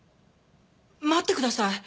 待ってください。